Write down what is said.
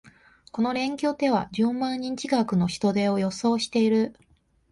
この連休では十万人近くの人出を予想している